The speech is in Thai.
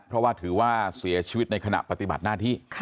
เพราะว่าถือว่าเสียชีวิตในขณะปฏิบัติหน้าที่